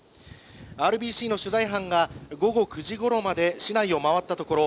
ＲＢＣの取材班が午後９時ごろまで市内を回ったところ